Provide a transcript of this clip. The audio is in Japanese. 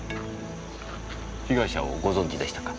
被害者をご存じでしたか。